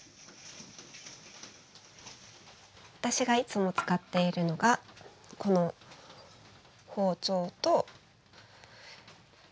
私がいつも使っているのがこの包丁とまな板です。